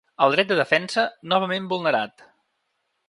El dret de defensa, novament vulnerat.